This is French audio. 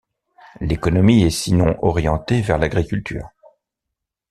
L'économie est sinon orientée vers l'agriculture.